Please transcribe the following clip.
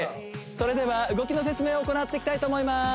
それでは動きの説明を行っていきたいと思います